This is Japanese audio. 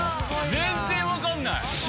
全然分かんない！